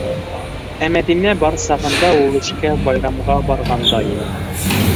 Ә Мәҙинә бар сағында ул эшкә байрамға барғандай йыйына.